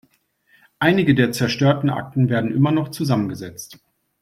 Einige der zerstörten Akten werden immer noch zusammengesetzt.